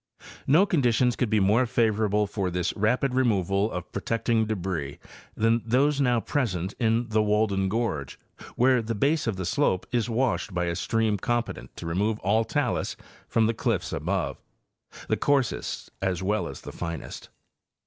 No conditions could be more favorable for this rapid removal of the protecting débris than those now present in the Walden gorge, where the base of the slope is washed by a stream competent to remove all talus from the cliffs above, the coarsest as well as the finest.